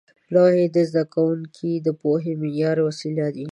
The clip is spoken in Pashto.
لوحې د زده کوونکو د پوهې معیاري وسیله وې.